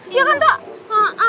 iya kan tok